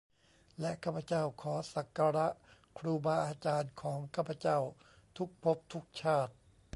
และข้าพเจ้าขอสักการะครูบาอาจารย์ของข้าพเจ้าทุกภพทุกชาติ